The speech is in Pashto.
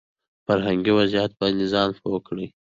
په فرهنګي وضعيت باندې ځان پوه کړي